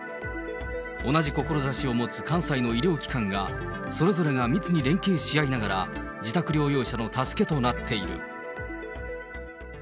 同じ志を持つ関西の医療機関が、それぞれが密に連携し合いながら、自宅療養者の助けとなっている。